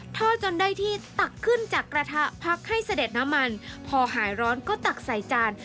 ทอดจนได้ที่ตักขึ้นจากกระทะพักให้เสด็จน้ำมันพอหายร้อนก็ตักใส่จาน